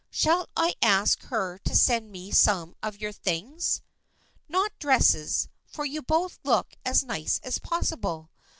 Shall I ask her to send me some of your things ? Not dresses, for you both look as nice as possible.